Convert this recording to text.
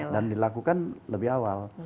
dan dilakukan lebih awal